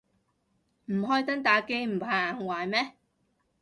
唔開燈打機唔怕壞眼咩